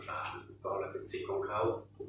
ตอนนั้นเป็นศิษย์ของเขา